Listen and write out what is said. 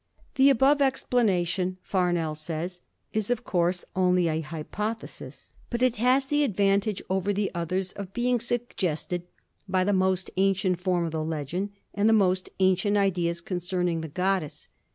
The above explanation, Farnell says, is, of course, only a hypothesis, but it has the advantage over the others of being suggested by the most ancient form of the legend and the most ancient ideas concerning the goddess.